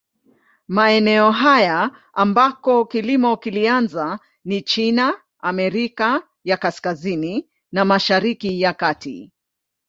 Maeneo haya ambako kilimo kilianza ni China, Amerika ya Kaskazini na Mashariki ya Kati.